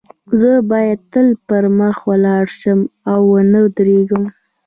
زه باید تل پر مخ ولاړ شم او و نه درېږم